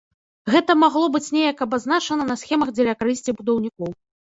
Гэта магло быць неяк абазначана на схемах дзеля карысці будаўнікоў.